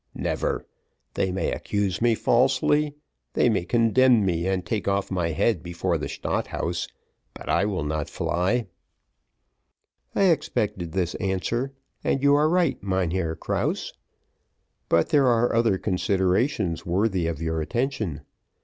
Never! they may accuse me falsely; they may condemn me and take off my head before the Stadt House, but I will not fly." "I expected this answer; and you are right, Mynheer Krause; but there are other considerations worthy of your attention.